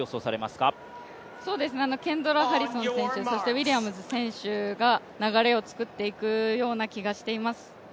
ケンドラ・ハリソン選手、ウィリアムズ選手が流れを作っていくような気がしています。